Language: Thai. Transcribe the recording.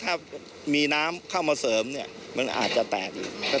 ถ้ามีน้ำเข้ามาเสริมมันอาจจะแตก